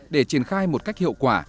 để triển khai một cách hiệu quả